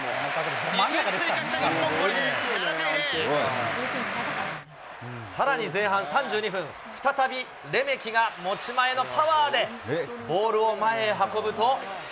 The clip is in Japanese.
２点追加した日本、さらに前半３２分、再びレメキが持ち前のパワーでボールを前へ運ぶと。